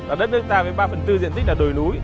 ở đất nước ta đến ba phần tư diện tích là đồi núi